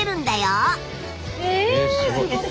えすごい！